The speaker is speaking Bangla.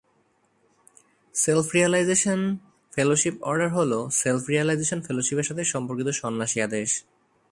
সেলফ-রিয়েলাইজেশন ফেলোশিপ অর্ডার হল সেলফ-রিয়েলাইজেশন ফেলোশিপের সাথে সম্পর্কিত সন্ন্যাসী আদেশ।